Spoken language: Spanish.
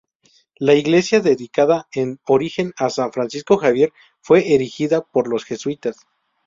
La iglesia, dedicada en origen a San Francisco Javier, fue erigida por los jesuitas.